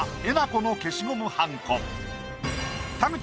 この消しゴムはんこ。